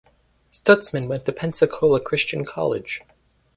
Stutzman went to Pensacola Christian College.